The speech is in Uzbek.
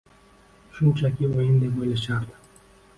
Shunchaki o‘yin deb o‘ylashardi.